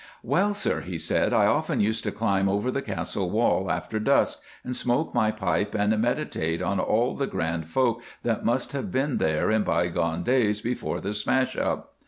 "Well, sir," he said, "I often used to climb over the Castle wall after dusk, and smoke my pipe and meditate on all the grand folk that must have been there in bygone days before the smash up.